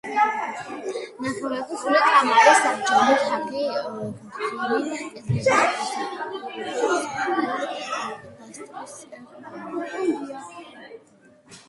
ნახევარწრიული კამარის საბჯენი თაღი გრძივი კედლების ორსაფეხურიან წყვილ პილასტრს ეყრდნობა.